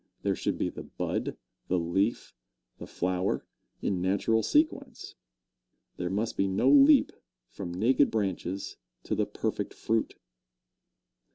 There should be the bud, the leaf, the flower, in natural sequence. There must be no leap from naked branches to the perfect fruit.